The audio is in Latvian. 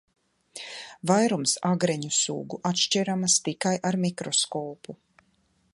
Vairums agreņu sugu atšķiramas tikai ar mikroskopu.